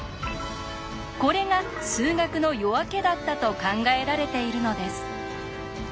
これが「数学の夜明け」だったと考えられているのです。